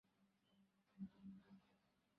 কিন্তু এ কী বেড়া!